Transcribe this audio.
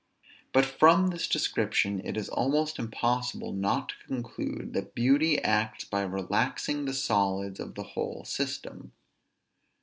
But from this description it is almost impossible not to conclude that beauty acts by relaxing the solids of the whole system.